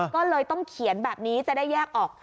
ก็เลยต้องเขียนแบบนี้จะได้แยกออก